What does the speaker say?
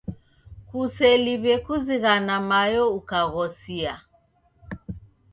Kuseliw'e kuzighana mayo ukaghosia.